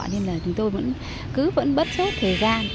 thì chúng tôi vẫn cứ bất chốt thời gian